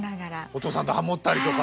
お父さんとハモったりとか。